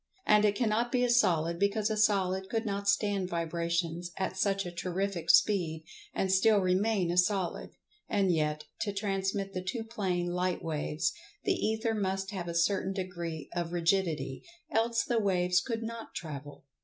And it cannot be a Solid, because a Solid could not stand vibrations at such a terrific speed, and still remain a Solid. And yet, to transmit the two plane light waves, the Ether must have a certain degree of Rigidity, else the waves could not travel.